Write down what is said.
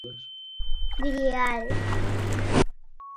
Grial.